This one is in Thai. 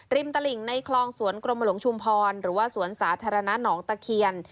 ตลิ่งในคลองสวนกรมหลวงชุมพรหรือว่าสวนสาธารณะหนองตะเคียน